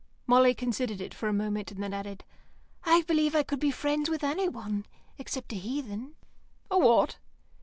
Molly considered it for a moment, and added, "I believe I could be friends with anyone, except a heathen." "A what?"